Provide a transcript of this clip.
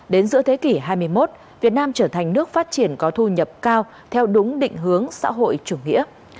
đến giữa thế kỷ hai mươi một việt nam trở thành nước phát triển có thu nhập cao theo đúng định hướng xã hội chủ nghĩa